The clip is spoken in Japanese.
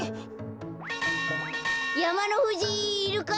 やまのふじいるか？